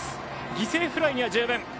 犠牲フライには十分。